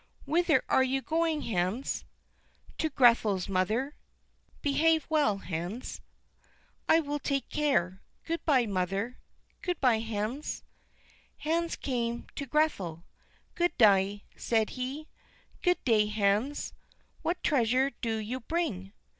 "Whither are you going, Hans?" "To Grethel's, mother." "Behave well, Hans." "I will take care; good by, mother." "Good by, Hans." Hans came to Grethel. "Good day," said he. "Good day, Hans. What treasure do you bring?"